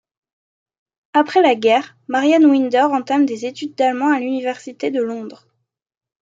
Après la guerre, Marianne Winder entame des études d'allemand à l'université de Londres.